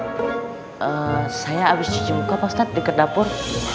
eee saya abis cuci muka pak ustadz dekat dapur